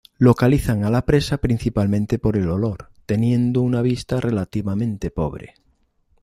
Localizan a la presa principalmente por el olor, teniendo una vista relativamente pobre.